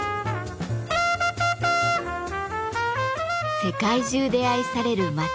世界中で愛される抹茶。